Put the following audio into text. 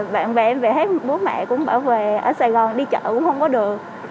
bạn bè em về thấy bố mẹ cũng bảo vệ ở sài gòn đi chợ cũng không có được